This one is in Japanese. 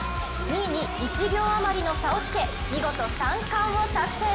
２位に１秒あまりの差をつけ見事三冠を達成。